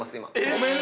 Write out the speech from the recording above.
ごめん！